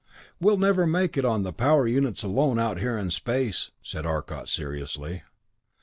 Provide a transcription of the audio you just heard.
"We'll never make it on the power units alone, out here in space," said Arcot seriously.